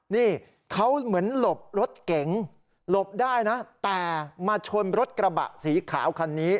นี่เขาเหมือนหลบรถเก๋งหลบได้นะแต่มาชนรถกระบะสีขาวคันนี้